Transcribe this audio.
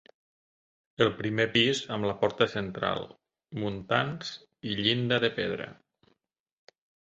El primer pis amb la porta central, muntants i llinda de pedra.